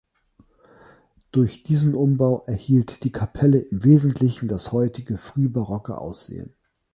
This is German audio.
Durch diesen Umbau erhielt die Kapelle im Wesentlichen das heutige, frühbarocke Aussehen.